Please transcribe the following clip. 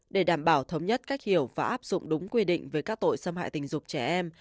để đảm bảo thống nhất cách hiểu và áp dụng đúng quy định về các tội xâm hại tình dục trẻ em